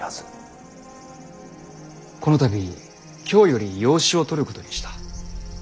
この度京より養子を取ることにした。